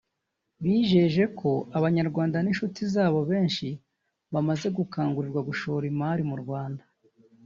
bijeje ko Abanyarwanda n’inshuti zabo benshi bamaze gukangurirwa gushora imari mu Rwanda